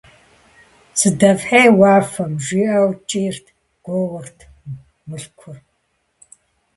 «Сыдэфхьей уафэм!» - жиӀэу кӀийрт, гуоурт Мылъкур.